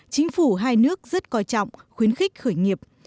chính phủ hai nước rất coi trọng khuyến khích khởi nghiệp